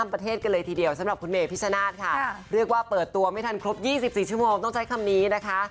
เรียกว่าเปิดตัวไม่ทันครบ๒๔ชั่วโมงต้องใช้คำนี้นะคะ